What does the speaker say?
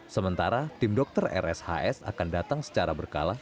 sementara tim dokter rshs akan datang secara berkala